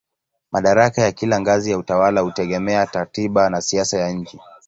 Madaraka ya kila ngazi ya utawala hutegemea katiba na siasa ya nchi.